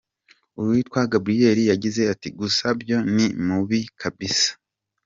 Uwitwa Gabriel yagize ati: "Gusa byo ni Mubi kabisa.